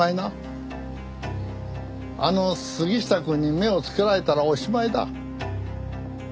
あの杉下くんに目をつけられたらおしまいだ。